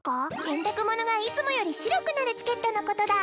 洗濯物がいつもより白くなるチケットのことだ